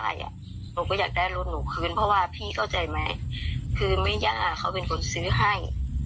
หนูก็อยากได้รถหนูคืนเพราะว่าพี่เข้าใจไหมคือแม่ย่าเขาเป็นคนซื้อให้